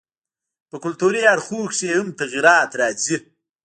په کلتوري اړخونو کښي ئې هم تغيرات راځي.